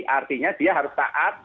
artinya dia harus saat